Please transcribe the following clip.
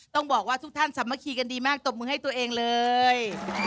ต้องบอกว่าทุกท่านสามัคคีกันดีมากตบมือให้ตัวเองเลย